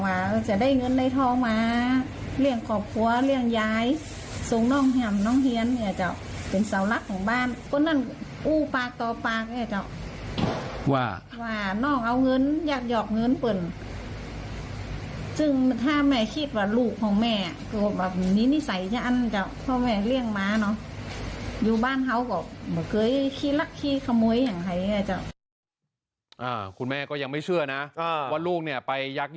คุณแม่ก็ยังไม่เชื่อนะว่าลูกเนี่ยไปยักยอกเงินเขา